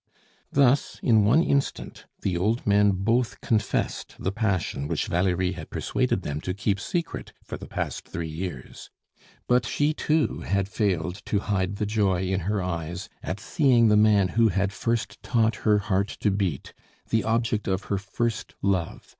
Thus, in one instant, the old men both confessed the passion which Valerie had persuaded them to keep secret for the past three years; but she too had failed to hide the joy in her eyes at seeing the man who had first taught her heart to beat, the object of her first love.